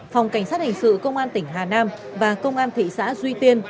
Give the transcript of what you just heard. phòng cảnh sát hình sự công an tỉnh hà nam và công an thị xã duy tiên